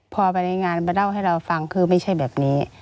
พอไปในงานมาเล่าให้เราฟังคือไม่ใช่แบบนี้